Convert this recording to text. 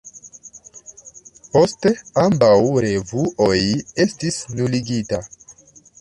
Poste, ambaŭ revuoj estis nuligita.